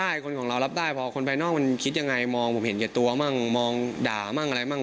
ใช่คนของเรารับได้พอคนภายนอกมันคิดยังไงมองผมเห็นแก่ตัวมั่งมองด่ามั่งอะไรมั่ง